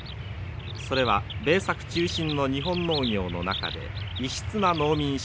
それは米作中心の日本農業の中で異質な農民集団でした。